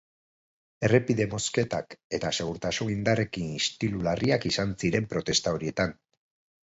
Errepide-mozketak eta segurtasun-indarrekin istilu larriak izan ziren protesta horietan.